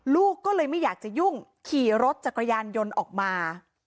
ลูกก็เลยไม่อยากจะยุ่งขี่รถจักรยานยนต์ออกมา